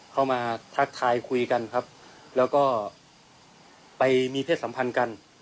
ทักทายคุยกันครับแล้วก็ไปมีเพศสัมพันธ์กัน